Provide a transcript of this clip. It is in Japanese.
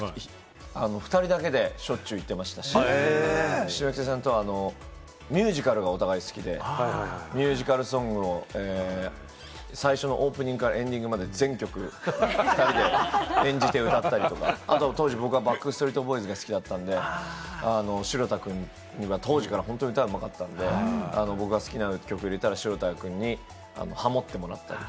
七之助くんとは２人だけでしょっちゅう行ってましたし、七之助くんとはミュージカルがお互い好きで、ミュージカルソングを最初のオープニングからエンディングまで全曲を２人で演じて歌ったりとか、当時、僕はバックストリート・ボーイズが好きだったので、城田くんには当時から本当に歌うまかったので、僕が好きな曲入れたら、城田くんにハモってもらって。